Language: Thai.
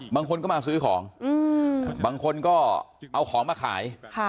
บางคนก็มาซื้อของบางคนก็เอาของมาขาย